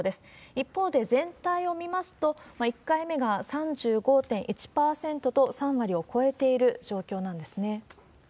一方で、全体を見ますと、１回目が３５．１％と、３割を超えている状況なんですね。